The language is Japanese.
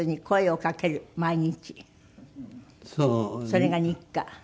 それが日課？